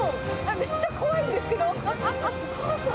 めっちゃ怖いんですけど。